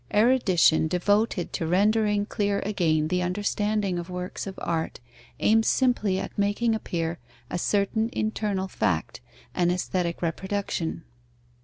Erudition devoted to rendering clear again the understanding of works of art, aims simply at making appear a certain internal fact, an aesthetic reproduction.